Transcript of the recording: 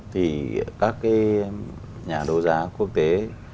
thì các cái nhà đô giá quốc tế